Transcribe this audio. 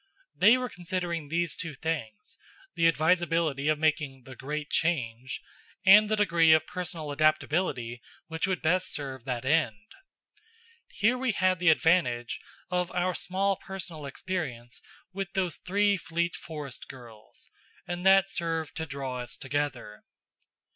They were considering these two things: the advisability of making the Great Change; and the degree of personal adaptability which would best serve that end. Here we had the advantage of our small personal experience with those three fleet forest girls; and that served to draw us together.